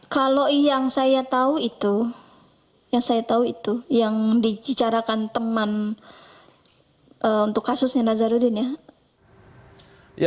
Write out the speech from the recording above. kalau yang saya tahu itu yang saya tahu itu yang dicicarakan teman untuk kasusnya nazarudin ya